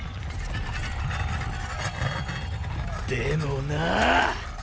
でもなぁ。